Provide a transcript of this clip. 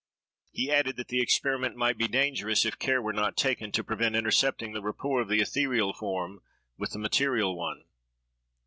He added that the experiment might be dangerous, if care were not taken to prevent intercepting the rapport of the ethereal form with the material one.